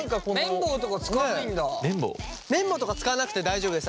麺棒とか使わなくて大丈夫です。